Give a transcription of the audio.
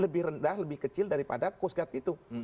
lebih rendah lebih kecil daripada coast guard itu